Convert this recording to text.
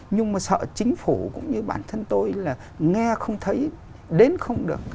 nhưng mà sợ chính phủ cũng như bản thân tôi là nghe không thấy đến không được